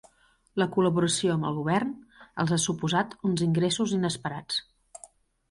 La col·laboració amb el Govern els ha suposat uns ingressos inesperats.